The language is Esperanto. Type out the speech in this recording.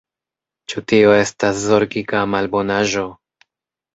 Ĉu tio estas zorgiga malbonaĵo?